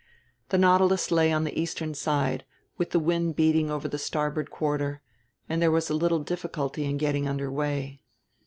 The Nautilus lay on the eastern side, with the wind beating over the starboard quarter, and there was little difficulty in getting under way.